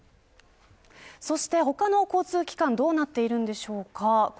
そして、他の交通機関どうなっているんでしょうか。